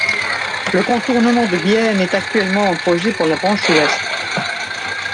Le contournement de Bienne est actuellement en projet pour la branche ouest.